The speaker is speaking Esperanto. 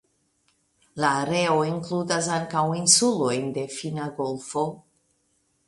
La areo inkludas ankaŭ insulojn de Finna golfo.